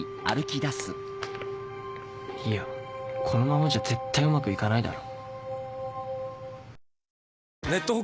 いやこのままじゃ絶対うまくいかないだろ